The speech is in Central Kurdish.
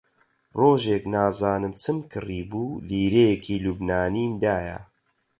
ڕۆژێک نازانم چم کڕیبوو، لیرەیەکی لوبنانیم دایە